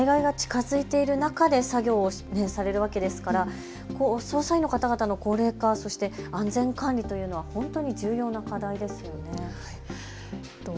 災害が近づいている中で作業をされるわけですから操作員の方々の高齢化、そして安全管理というのは本当に重要な課題ですよね。